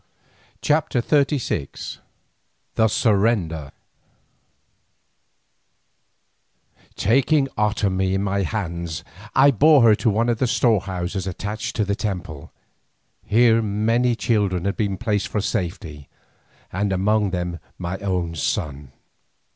CHAPTER XXXVI THE SURRENDER Taking Otomie in my arms, I bore her to one of the storehouses attached to the temple. Here many children had been placed for safety, among them my own son.